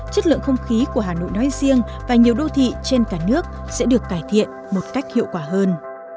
chất lượng không khí của hà nội nói riêng và nhiều đô thị trên cả nước sẽ được cải thiện một cách hiệu quả hơn